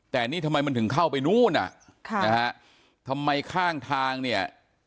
แต่นี่ทำไมมันถึงเข้าไปนู่นอ่ะค่ะนะฮะทำไมข้างทางเนี่ย